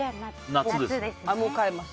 もう変えます。